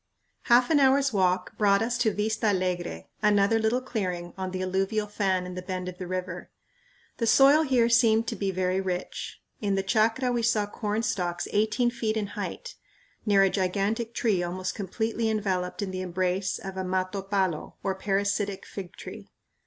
Half an hour's walk brought us to Vista Alegre, another little clearing on an alluvial fan in the bend of the river. The soil here seemed to be very rich. In the chacra we saw corn stalks eighteen feet in height, near a gigantic tree almost completely enveloped in the embrace of a mato palo, or parasitic fig tree.